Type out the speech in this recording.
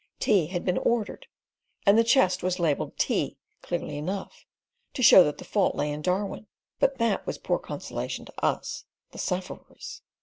Tea had been ordered, and the chest was labelled tea clearly enough, to show that the fault lay in Darwin; but that was poor consolation to us, the sufferers.